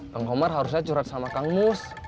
kang komar harusnya curhat sama kang mus